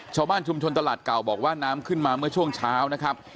ชาวบ้านชุมชนตลาดเก่าบอกว่าน้ำขึ้นมาเมื่อช่วงเช้านะครับ